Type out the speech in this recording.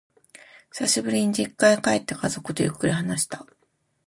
久しぶりに実家へ帰って、家族とゆっくり話した。